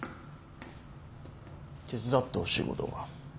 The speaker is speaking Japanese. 手伝ってほしいことが。